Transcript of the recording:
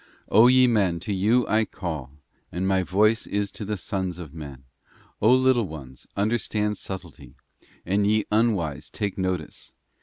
'O ye men, to you I call, and my voice is to the sons of men. O little ones, understand subtlety, and ye unwise take notice.